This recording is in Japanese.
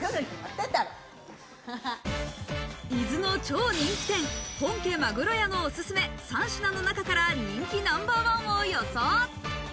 伊豆の超人気店、本家鮪屋のオススメ３品の中から人気ナンバーワンを予想。